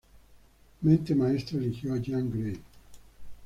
Mente Maestra eligió a Jean Grey.